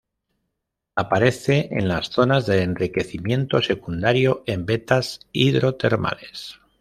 Aparece en las zonas de enriquecimiento secundario en vetas hidrotermales.